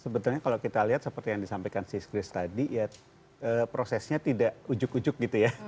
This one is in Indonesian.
sebetulnya kalau kita lihat seperti yang disampaikan sis chris tadi ya prosesnya tidak ujuk ujuk gitu ya